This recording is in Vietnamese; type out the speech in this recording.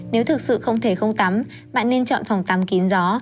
nếu thực sự không thể không tắm bạn nên chọn phòng tắm kín gió